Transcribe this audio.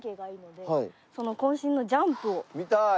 見たい！